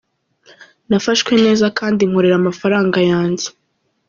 Nafashwe neza kandi nkorera amafaranga yanjye.